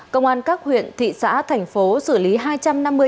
công an các huyện thị xã thành phố xử lý hai trường hợp